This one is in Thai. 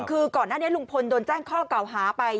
คือก่อนหน้านี้ลุงพลโดนแจ้งข้อเก่าหาไป